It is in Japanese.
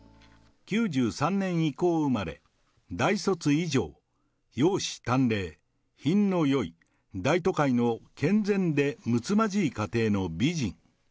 ９３年以降生まれ、大卒以上、容姿端麗、品のよい、大都会の健全でむつまじい家庭の美人。